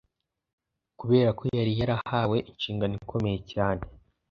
kubera ko yari yarahawe inshingano ikomeye cyane;